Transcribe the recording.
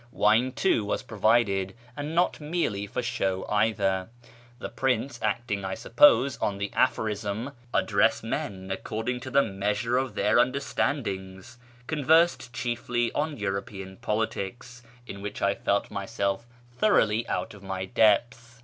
Wine, too, was provided, and not merely for show either. The prince, acting, I suppose, on the aphorism, " Address men according to the measure of their understandings," conversed chiefly on European politics, in which I felt myself thoroughly out of my depth.